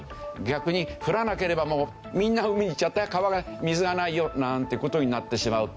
逆に降らなければみんな海に行っちゃって川が水がないよなんて事になってしまう。